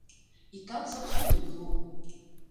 І так заўсёды было.